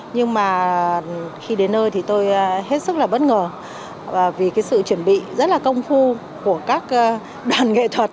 nhưng mà khi đến nơi thì tôi hết sức là bất ngờ vì cái sự chuẩn bị rất là công phu của các đoàn nghệ thuật